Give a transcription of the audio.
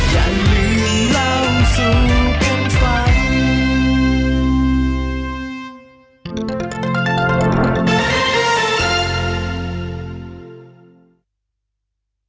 สวัสดีครับ